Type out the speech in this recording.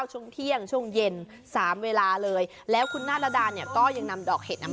ช่วงเที่ยงช่วงเย็นสามเวลาเลยแล้วคุณนารดาเนี่ยก็ยังนำดอกเห็ดอ่ะ